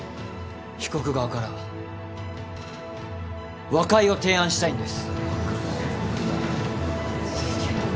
被告側から和解を提案したいんです。